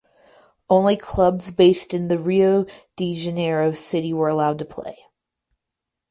Only clubs based in the Rio de Janeiro city were allowed to play.